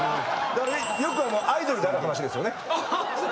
よくアイドルである話ですよね。